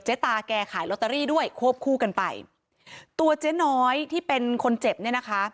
ตาแกขายลอตเตอรี่ด้วยควบคู่กันไปตัวเจ๊น้อยที่เป็นคนเจ็บเนี่ยนะคะ